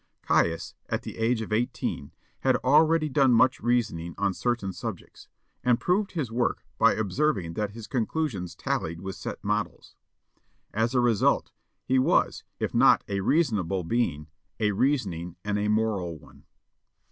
Caius, at the age of eighteen, had already done much reasoning on certain subjects, and proved his work by observing that his conclusions tallied with set models. As a result, he was, if not a reasonable being, a reasoning and a moral one.